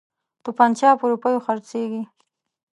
توپنچه په روپیو خرڅیږي.